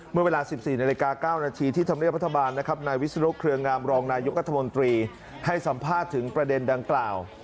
เมื่อเวลา๑๔นาฬิกา๙นาทีที่ธรรมเนียบรัฐบาลนะครับนายวิศนุเครืองามรองนายกรัฐมนตรีให้สัมภาษณ์ถึงประเด็นดังกล่าว